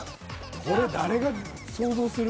これ誰が想像する？